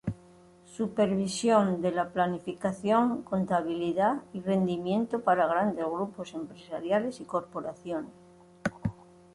Supervisión de la planificación, contabilidad y rendimiento para grandes grupos empresariales y corporaciones.